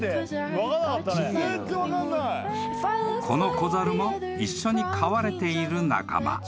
［この子猿も一緒に飼われている仲間］